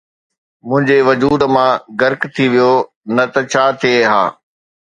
منهنجي وجود مان غرق ٿي ويو، نه ته ڇا ٿئي ها